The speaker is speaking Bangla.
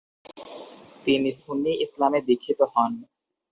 তিনি সুন্নি ইসলামে দীক্ষিত হন ।